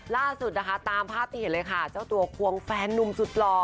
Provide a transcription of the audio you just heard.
ล่าสุดนะคะตามภาพที่เห็นเลยค่ะเจ้าตัวควงแฟนนุ่มสุดหล่อ